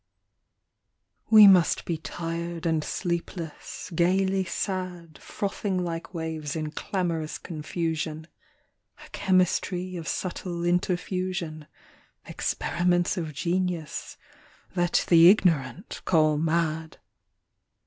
We must be tired and sleepless, gaily sad, Frothing like waves in clamorous confusion, A chemistry of subtle interfusion, Experiments of genius that the ignorant call mad.